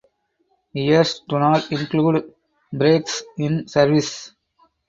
Years do not include breaks in service.